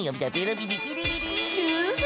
ビリビリ。